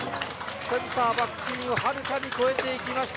センターバックスクリーンをはるかに越えていきました